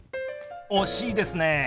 惜しいですね。